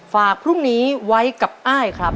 ฝากพรุ่งนี้ไว้กับอ้ายครับ